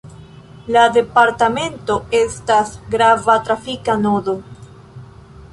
La departamento estas grava trafika nodo.